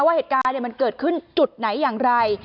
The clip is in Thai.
เหตุการณ์มันเกิดขึ้นจุดไหนอย่างไร